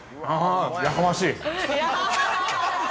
◆やかましい。